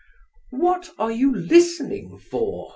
"What are you listening for?"